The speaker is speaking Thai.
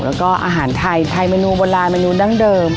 แล้วก็อาหารไทยเมนูโบราณเมนูดั้งเดิม